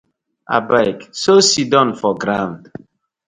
Abeg so sidon for ground.